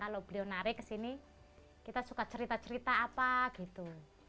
kalau beliau narik ke sini kita suka cerita cerita apa gitu